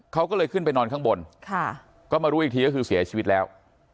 เขาก็เลยขึ้นไปนอนข้างบนก็มารู้อีกทีก็คือเสียชีวิตแล้ว